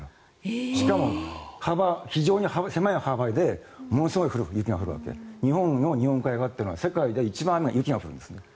しかも狭い幅で雪が降るので日本の日本海側というのは世界で一番雪が降るんですね。